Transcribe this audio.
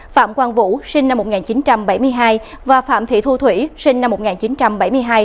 phạm quang vũ sinh năm một nghìn chín trăm bảy mươi hai và phạm thị thu thủy sinh năm một nghìn chín trăm bảy mươi hai